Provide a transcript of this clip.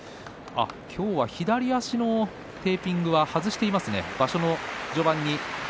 今日は左足のテーピングは外していますか。